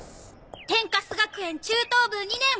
天カス学園中等部２年！